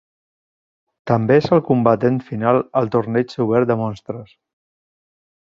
També és el combatent final al torneig obert de monstres.